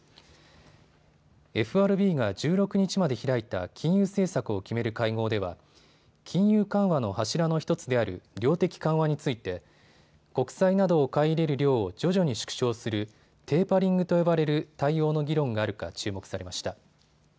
ＦＲＢが１６日まで開いた金融政策を決める会合では金融緩和の柱の１つである量的緩和について国債など買い入れる量を徐々に縮小するテーパリングと呼ばれる対応の議論があるか注目されました。